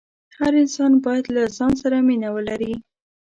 هر انسان باید له ځان سره مینه ولري.